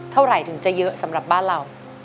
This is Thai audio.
เท่าไหร่ถึงจะเยอะสำหรับบ้านเรา